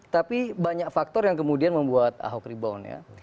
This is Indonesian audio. tapi banyak faktor yang kemudian membuat ahok rebound ya